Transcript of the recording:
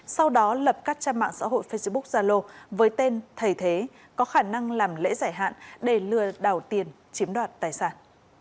sau đó lập các trang mạng xã hội facebook zalo với tên thầy thế có khả năng làm lễ giải hạn để lừa đảo tiền chiếm đoạt tài sản